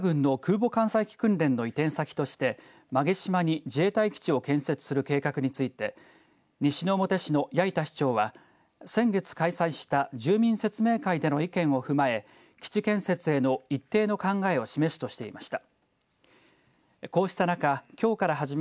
アメリカ軍の空母艦載機訓練の移転先として馬毛島に自衛隊基地を建設する計画について西表市の八板市長は先月開催した住民説明会での意見を踏まえ岸建設への一定の考えを示すとしていました。